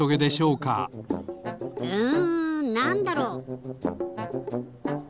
うんなんだろう？